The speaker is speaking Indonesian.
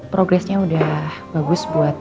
progresnya udah bagus buat